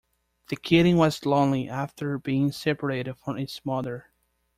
The kitten was lonely after being separated from its mother.